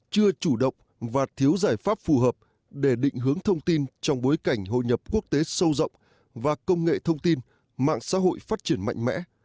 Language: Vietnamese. chưa chủ động và thiếu giải pháp phù hợp để định hướng thông tin trong bối cảnh hội nhập quốc tế sâu rộng và công nghệ thông tin mạng xã hội phát triển mạnh mẽ